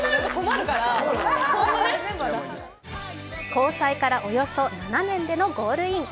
交際からおよそ７年でのゴールイン。